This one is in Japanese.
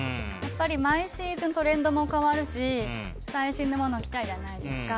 毎シーズントレンドも変わるし最新のものを着たいじゃないですか